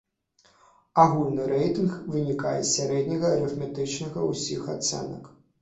Агульны рэйтынг вынікае з сярэдняга арыфметычнага ўсіх ацэнак.